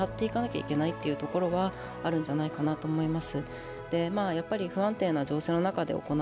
見張っていかなければいけいなというところはあるんじゃないかと思います。